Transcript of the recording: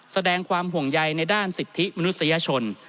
แสดงความห่วงใยในด้านสิทธิมนุษยชน